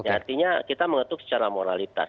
artinya kita mengetuk secara moralitas